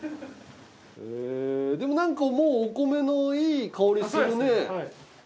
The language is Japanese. でもなんかもうお米のいい香りするね。